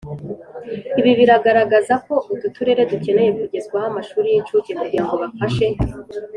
Ibi biragaragaza ko utu turere dukeneye kugezwamo amashuri y incuke kugirango bafashe